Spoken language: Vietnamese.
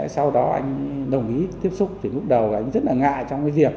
sau đó anh ấy đồng ý tiếp xúc thì lúc đầu anh ấy rất là ngại trong cái việc